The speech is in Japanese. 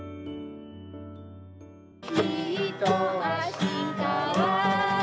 「きっとあしたは」